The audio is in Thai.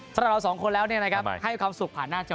สำหรับเราสองคนแล้วให้ความสุขผ่านหน้าจอ